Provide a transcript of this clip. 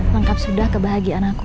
lengkap sudah kebahagiaan aku